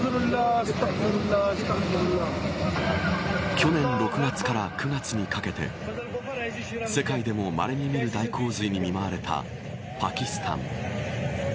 去年６月から９月にかけて世界でもまれにみる大洪水に見舞われたパキスタン。